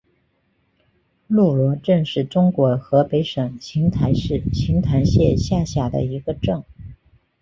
路罗镇是中国河北省邢台市邢台县下辖的一个镇。